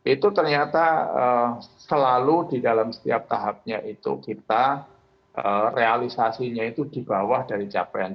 itu ternyata selalu di dalam setiap tahapnya itu kita realisasinya itu di bawah dari capaian